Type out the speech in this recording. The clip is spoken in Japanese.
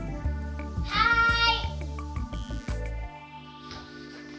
はい。